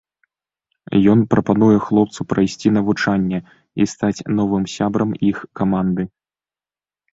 Ён прапануе хлопцу прайсці навучанне і стаць новым сябрам іх каманды.